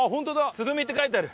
「つぐみ」って書いてある。